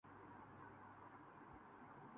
ائی P L میں پھر match fixing کی گونج